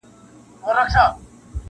• لېري لېري له دې نورو څه او سېږي,